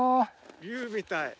竜みたい！